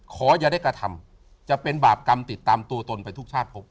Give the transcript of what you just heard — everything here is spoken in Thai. ขออย่าได้กระทำจะเป็นบาปกรรมติดตามตัวตนไปทุกชาติพบ